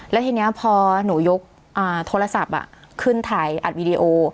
แล้วทีนี้พอหนูยกโทรศัพท์ขึ้นถ่ายอัดวีดีโอ